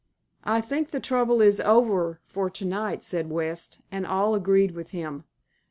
"I think the trouble is over for to night," said West, and all agreed with him.